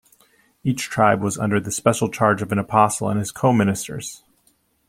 Each tribe was under the special charge of an apostle and his co-ministers.